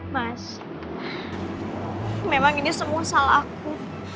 mas memang ini semua salah aku